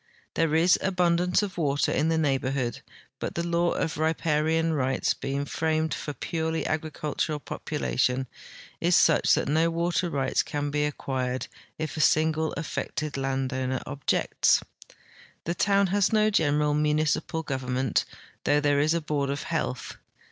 There is abundance of Avater in the neighborhood, but the laAV of riparian rights, being framed for a purely agricultural population, is such that no Avater rights can be acquired if a single affected landoAvner objects. The toAA n has no general municipal government, though there is a board of health.